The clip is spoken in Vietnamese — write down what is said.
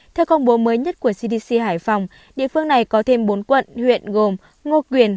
theo công bố mới nhất của cdc hải phòng địa phương này có thêm bốn quận huyện gồm ngô quyền